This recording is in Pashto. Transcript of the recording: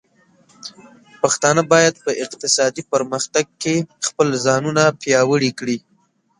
پښتانه بايد په اقتصادي پرمختګ کې خپل ځانونه پياوړي کړي.